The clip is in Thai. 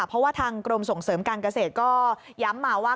เพราะว่าทางกรมส่งเสริมการเกษตรก็ย้ำมาว่า